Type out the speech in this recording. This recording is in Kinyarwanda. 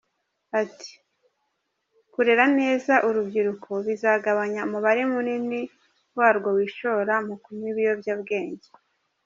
Ati “Kurera neza urubyiruko bizagabanya umubare munini warwo wishora mu kunywa ibiyobyabwenge.